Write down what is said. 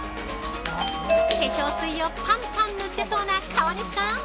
◆化粧水をパンパン塗ってそうな川西さん！